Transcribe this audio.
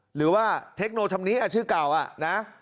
หรือว่าเทคโนชำนี้ชื่อเก่านะ